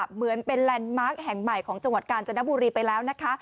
เหมือนเป็นแลนด์มาร์คแห่งใหม่ของจังหวัดกาญจนบุรีไปแล้วนะคะ